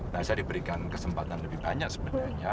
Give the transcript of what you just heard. nah saya diberikan kesempatan lebih banyak sebenarnya